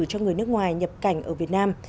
cho người nước ngoài nhập cảnh ở việt nam